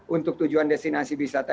untuk tujuan destinasi wisata